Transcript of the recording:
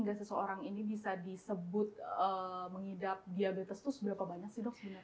gula yang bisa disebut mengidap diabetes itu seberapa banyak